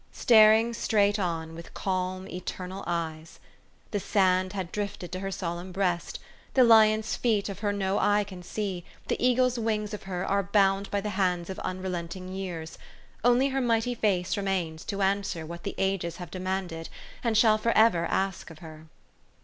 " Staring straight on with calm eternal eyes.'* The sand had drifted to her solemn breast. The lion's feet of her no eye can see, the eagle's wings of her are bound by the hands of unrelenting years ; only her mighty face remains to answer what the ages have demanded, and shall forever ask of her.